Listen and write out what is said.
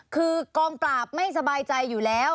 คือกองปราบไม่สบายใจอยู่แล้ว